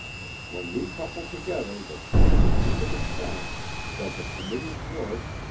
When we couple together the two significant facts that the Committee's work (_i.